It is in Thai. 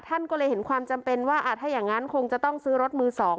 ท่านก็เลยเห็นความจำเป็นว่าถ้าอย่างนั้นคงจะต้องซื้อรถมือสอง